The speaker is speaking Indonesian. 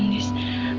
ini anaknya putri mana